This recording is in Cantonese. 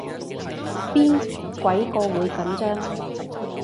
邊鬼個會緊張